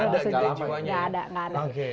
nggak ada nggak ada